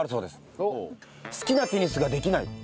「好きなテニスができない」